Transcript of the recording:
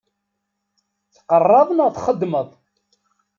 Tqerraḍ neɣ txeddmeḍ?